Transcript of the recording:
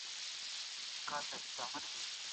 دوی اوس په علم کي پرمختګ کړی دی.